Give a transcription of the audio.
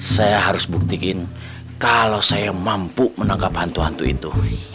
saya harus buktikan kalau saya mampu menangkap hantu hantu itu